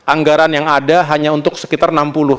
anggaran yang ada hanya untuk sekitar